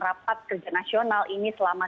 rapat kerja nasional ini selama